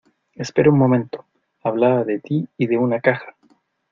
espera un momento. hablaba de ti y de una caja